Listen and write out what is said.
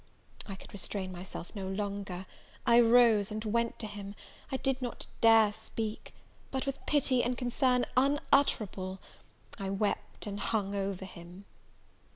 I could restrain myself no longer; I rose and went to him; I did not dare speak; but, with pity and concern unutterable, I wept and hung over him.